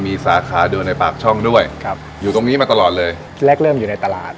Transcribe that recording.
มีสาขาเดียวในปากช่องด้วยครับอยู่ตรงนี้มาตลอดเลยแรกเริ่มอยู่ในตลาด